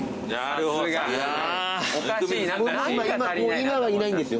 今はいないんですよ。